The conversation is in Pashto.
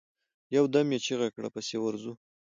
يودم يې چيغه کړه! پسې ورځو.